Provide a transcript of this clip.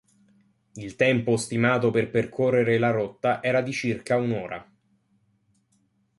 Il tempo stimato per percorrere la rotta era di circa un'ora.